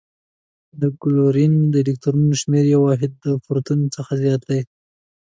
د کلورین د الکترونونو شمیر یو واحد د پروتون څخه زیات دی.